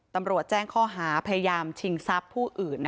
ตำรวจแจ้งข้อหาพยายามชิงทรัพย์ผู้อื่น